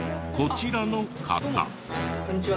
こんにちは。